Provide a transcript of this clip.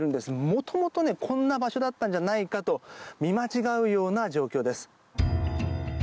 元々こんな場所だったんじゃないかと見間違うような状況です。